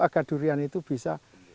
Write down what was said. agar durian itu bisa